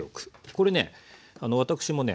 これね私もね